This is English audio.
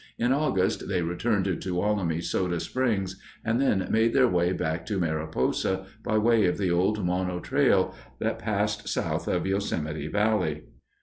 In August they returned to Tuolumne Soda Springs and then made their way back to Mariposa by way of the old Mono Trail that passed south of Yosemite Valley.